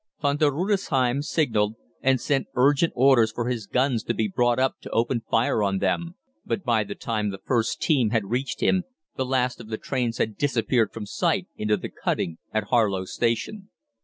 Von der Rudesheim signalled, and sent urgent orders for his guns to be brought up to open fire on them, but by the time the first team had reached him the last of the trains had disappeared from sight into the cutting at Harlow Station.